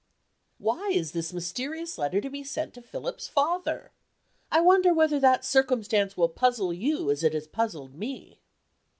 Why is this mysterious letter to be sent to Philip's father? I wonder whether that circumstance will puzzle you as it has puzzled me.